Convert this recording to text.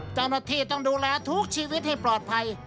เจ้าหน้าที่ต้องดูแลทุกชีวิตให้ปลอดภัย